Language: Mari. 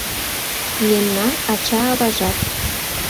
Мемнан ача-аважат